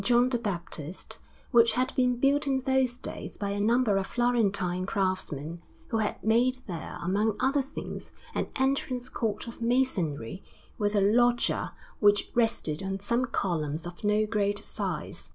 John the Baptist, which had been built in those days by a number of Florentine craftsmen, who had made there, among other things, an entrance court of masonry with a loggia which rested on some columns of no great size.